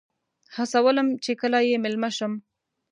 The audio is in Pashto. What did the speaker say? هڅولم چې کله یې میلمه شم.